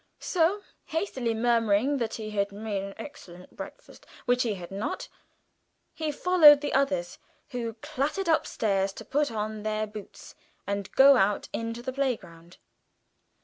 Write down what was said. So, hastily murmuring that he had "made an excellent breakfast" which he had not he followed the others, who clattered upstairs to put on their boots and go out into the playground.